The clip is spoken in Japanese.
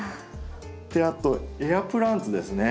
あとエアプランツですね。